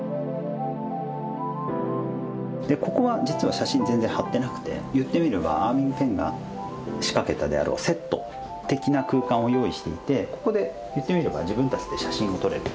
ここは実は写真全然はってなくて言ってみればアーヴィング・ペンが仕掛けたであろうセット的な空間を用意していてここで言ってみれば自分たちで写真が撮れる。